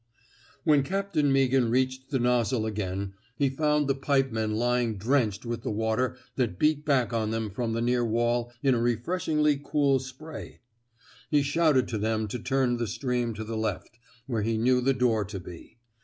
When Captain Meaghan reached the nozzle again, he found the pipemen lying drenched with the water that beat back on them from the near wall in a refreshingly cool spray. He shouted to them to turn the stream to the left, where he knew the door to be.